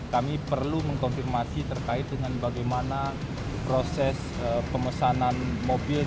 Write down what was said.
kami perlu mengkonfirmasi terkait dengan bagaimana proses pemesanan mobil